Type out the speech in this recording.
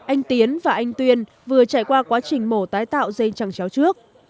anh tiến và anh tuyên vừa trải qua quá trình mổ tái tạo dây chẳng chéo trước